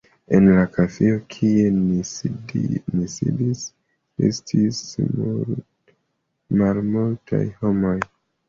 En la kafejo, kie ni sidis, restis malmultaj homoj.